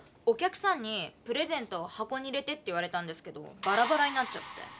おきゃくさんにプレゼントをはこに入れてって言われたんですけどバラバラになっちゃって。